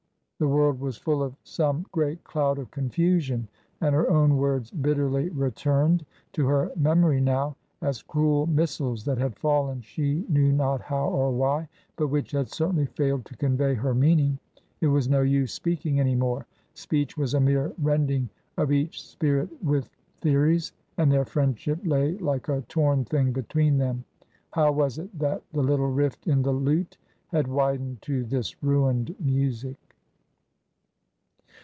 251 The world was full of some great cloud of confusion, and her own words bitterly returned to her memory now as cruel missiles that had fallen she knew not how or why, but which had certainly failed to convey her meaning. It was no use speaking any more — speech was a mere rending of each spirit with theories, and their friendship lay like a torn thing between them. How was it that the little rift in the lute had widened to this ruined music